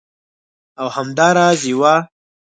او همدا راز یوه